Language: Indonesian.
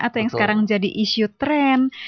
atau yang sekarang jadi isu tren